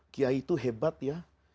kiai itu hebat ya